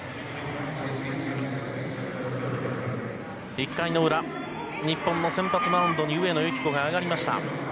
１回の裏日本の先発マウンドに上野由岐子が上がりました。